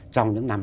trong những năm